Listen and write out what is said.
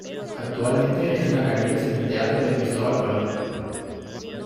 Actualmente es Blancanieves en el Teatro de Cristóbal Colón